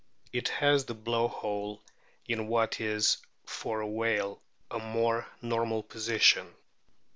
It has the blow hole in what is (for a whale) a more normal position.